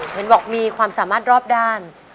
เห็นบอกมีความสามารถรอบด้าน